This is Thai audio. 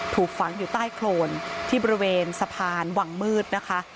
ถูกฝังอยู่ใต้โครนที่บริเวณสะพานวังมืดนะคะ